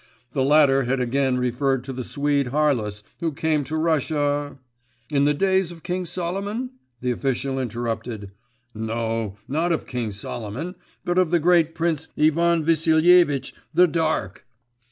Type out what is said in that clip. The latter had again referred to the Swede Harlus, who came to Russia.… 'In the days of King Solomon?' the official interrupted. 'No, not of King Solomon, but of the great Prince Ivan Vassilievitch the Dark.